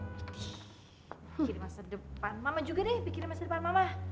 giti mikirin masa depan mama juga deh mikirin masa depan mama